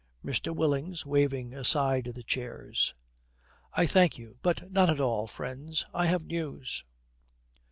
MR. WILLINGS, waving aside the chairs, 'I thank you. But not at all. Friends, I have news.'